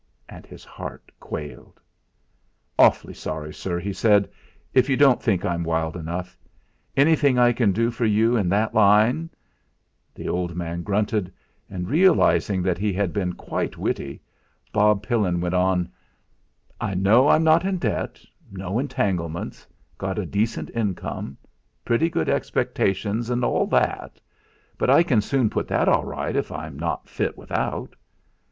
And his heart quailed. "Awfully sorry, sir," he said, "if you don't think I'm wild enough. Anything I can do for you in that line " The old man grunted; and realising that he had been quite witty, Bob Pillin went on: "I know I'm not in debt, no entanglements, got a decent income, pretty good expectations and all that; but I can soon put that all right if I'm not fit without."